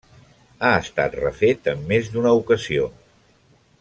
Ha estat refet en més d'una ocasió.